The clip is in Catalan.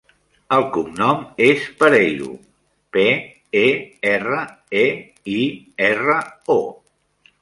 El cognom és Pereiro: pe, e, erra, e, i, erra, o.